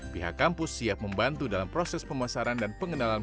pihak kampus siap membantu dalam proses pemasaran dan pengenalan